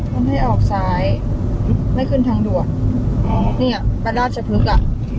มันให้ออกซ้ายไม่ขึ้นทางด่วนอ๋อเนี่ยแบลราร์ดจะพึกอ่ะ